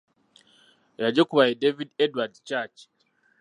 Eyagikuba ye David Edward Church.